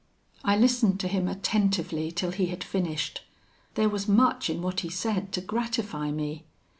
"I listened to him attentively till he had finished. There was much in what he said to gratify me.